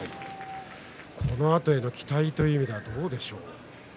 このあとの期待という意味ではどうですか？